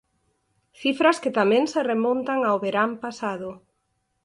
Cifras tamén que se remontan ao verán pasado.